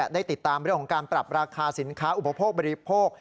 ได้ติดตามเรื่องของการปรับราคาสินค้าอุปโภคบริโภค